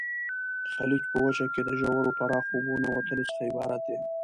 خلیج په وچه کې د ژورو پراخو اوبو ننوتلو څخه عبارت دی.